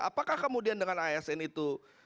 apakah kemudian dengan asn itu